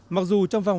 mặc dù trong vòng